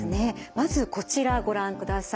まずこちらご覧ください。